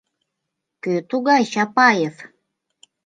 — Кӧ тугай Чапаев?